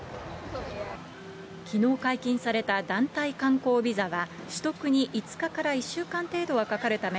きのう解禁された団体観光ビザは取得に５日から１週間程度はかかるため、